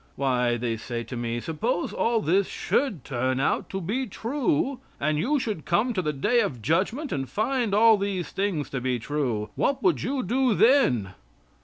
"Why," they say to me, "suppose all this should turn out to be true, and you should come to the day of judgment and find all these things to be true. What would you do then?"